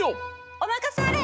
おまかせあれ！